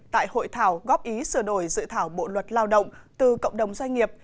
tại hội thảo góp ý sửa đổi dự thảo bộ luật lao động từ cộng đồng doanh nghiệp